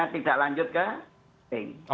tidak lanjut ke testing